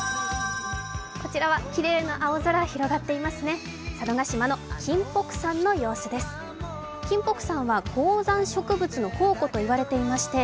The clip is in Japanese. こちらはきれいな青空広がっていますね。